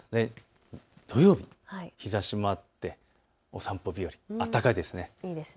土曜日、日ざしもあってお散歩日和、暖かいです。